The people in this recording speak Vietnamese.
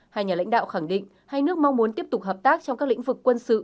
hai nhà lãnh đạo khẳng định hai nước mong muốn tiếp tục hợp tác trong các lĩnh vực quân sự